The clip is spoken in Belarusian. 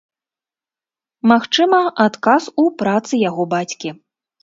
Магчыма, адказ у працы яго бацькі.